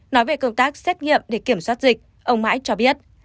nói về công tác xét nghiệm để kiểm soát dịch ông mãi cho biết